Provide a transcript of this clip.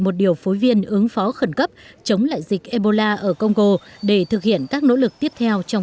một điều phối viên ứng phó khẩn cấp chống lại dịch ebola ở congo để thực hiện các nỗ lực tiếp theo trong